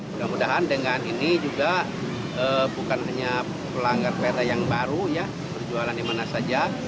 mudah mudahan dengan ini juga bukan hanya pelanggar peda yang baru ya berjualan di mana saja